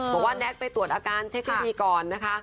บอกว่าแน็กไปตรวจอาการเช็คให้ดีก่อนนะคะ